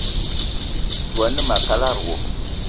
Dwé a ne ma a kalada wo.